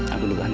aku duluan ya